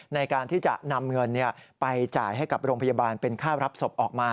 ในการที่จะนำเงินไปจ่ายให้กับโรงพยาบาลเป็นค่ารับศพออกมา